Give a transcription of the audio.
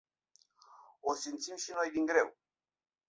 O simțim și noi din greu.